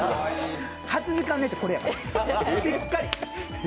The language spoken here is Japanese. ８時間寝てこれやからしっかり。